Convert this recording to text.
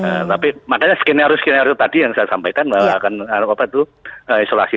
nah tapi makanya skenario skenario tadi yang saya sampaikan bahwa akan obat itu isolasi